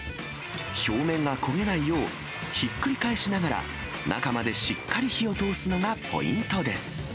表面が焦げないよう、ひっくり返しながら、中までしっかり火を通すのがポイントです。